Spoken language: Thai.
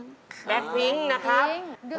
ครับนะครับนะครับนะครับ